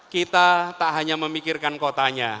kita tak hanya memikirkan kotanya